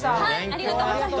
ありがとうございます。